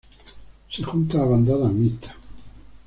Se junta a bandadas mixtas.